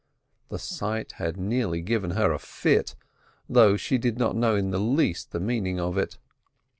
The sight had nearly given her a fit, though she did not know in the least the meaning of it.